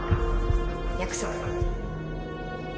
約束。